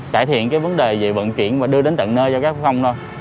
trải thiện cái vấn đề về vận chuyển và đưa đến tận nơi cho các phòng thôi